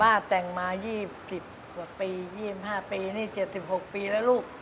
แต่งมา๒๐กว่าปี๒๕ปีนี่๗๖ปีแล้วลูก